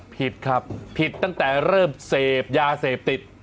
ผิดครับผิดตั้งแต่เริ่มเสพยาเสพติด